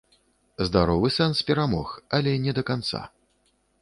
Здаровы сэнс перамог, але не да канца.